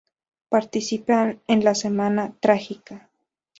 Participa en la Semana trágica.